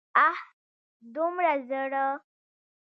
اه! دومره زړه!